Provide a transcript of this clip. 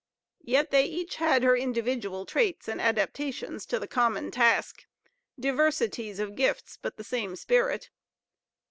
Yet they had each her individual traits and adaptations to their common task; "diversities of gifts, but the same spirit."